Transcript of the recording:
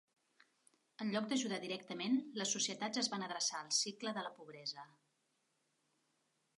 En lloc d'ajudar directament, les societats es van adreçar al cicle de la pobresa.